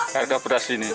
harga beras ini